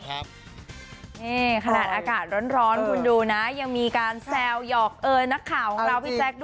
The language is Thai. ฮแขนาดอากาศร้อนนี่คุณดิวนะ